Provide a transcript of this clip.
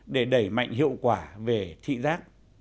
để đẩy mạnh hiệu quả về thị giác